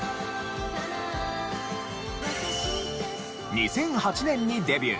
２００８年にデビュー。